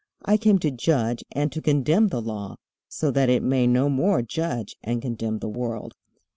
I came to judge and to condemn the Law, so that it may no more judge and condemn the world."